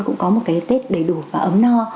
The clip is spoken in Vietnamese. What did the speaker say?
cũng có một cái tết đầy đủ và ấm no